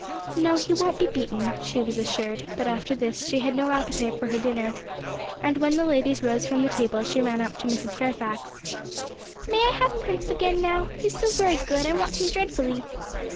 'No, he won't be beaten,' she was assured; but after this she had no appetite for her dinner; and when the ladies rose from the table she ran up to Mrs. Fairfax. 'May I have Prince again now? He's so very good. I want him dreadfully.'